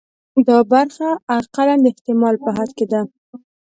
دا برخه اقلاً د احتمال په حد کې ده.